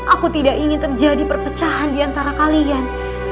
aku tidak ingin terjadi perpecahan diantara kalian